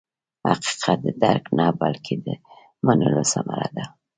حقیقت د درک نه، بلکې د منلو ثمره ده.